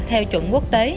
theo chuẩn quốc tế